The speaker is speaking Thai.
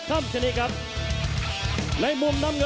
สวัสดีทุกคน